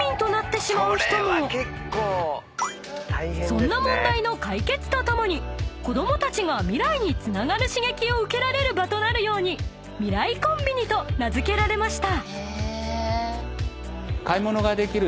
［そんな問題の解決とともに子供たちが未来につながる刺激を受けられる場となるように未来コンビニと名付けられました］